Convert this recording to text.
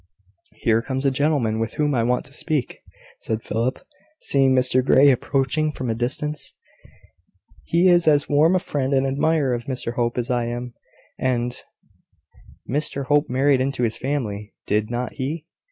"Here comes a gentleman with whom I want to speak," said Philip, seeing Mr Grey approaching from a distance. "He is as warm a friend and admirer of Mr Hope as I am; and " "Mr Hope married into his family, did not he?"